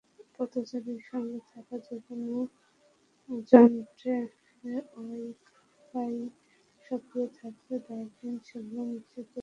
পথচারীর সঙ্গে থাকা যেকোনো যন্ত্রে ওয়াই-ফাই সক্রিয় থাকলে ডাস্টবিন সেগুলো চিহ্নিত করবে।